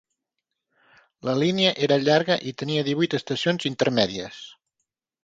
La línia era llarga i tenia divuit estacions intermèdies.